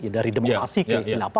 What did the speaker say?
dari demokrasi ke apa